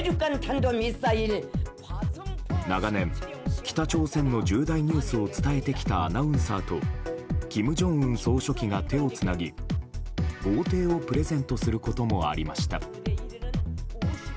長年、北朝鮮の重大ニュースを伝えてきたアナウンサーと金正恩総書記が手をつなぎ豪邸をプレゼントすることもありました。